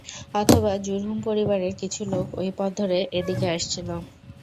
অথবা জুরহুম পরিবারের কিছু লোক ঐ পথ ধরে এদিকে আসছিল।